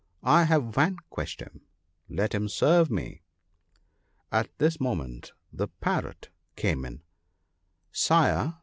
I have vanquished him — let him serve me!' " At this moment the Parrot came in. * Sire